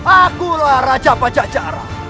akulah raja pajajaran